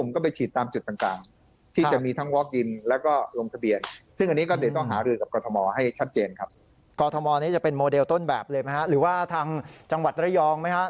กรทมนี้จะเป็นโมเดลต้นแบบเลยไหมฮะหรือว่าทางจังหวัดระยองไหมฮะ